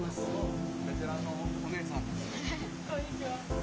こんにちは。